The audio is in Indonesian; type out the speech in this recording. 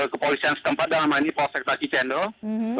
kepolisian setempat dalam hal ini polsek taji cendol